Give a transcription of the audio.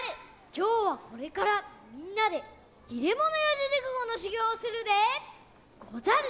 きょうはこれからみんなで「切れ者四字熟語」のしゅぎょうをするでござる！